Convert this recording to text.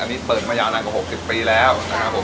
อันนี้เปิดมายาวนานกว่า๖๐ปีแล้วนะครับผม